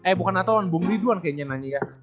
eh bukan wartawan bung ridwan kayaknya nanya